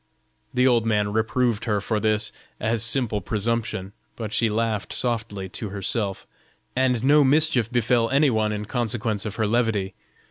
The old man reproved her for this, as simple presumption, but she laughed softly to herself, and no mischief befell any one in consequence of her levity.